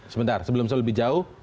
sebentar sebelum saya lebih jauh